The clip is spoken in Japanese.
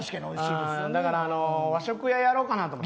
だから和食屋やろうかなと思って。